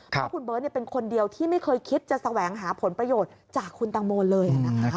เพราะคุณเบิร์ตเป็นคนเดียวที่ไม่เคยคิดจะแสวงหาผลประโยชน์จากคุณตังโมเลย